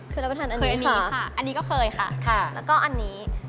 คือรับประทานอันนี้ค่ะค่ะแล้วก็อันนี้ค่ะค่ะค่ะค่ะ